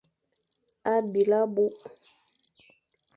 Byelé abukh.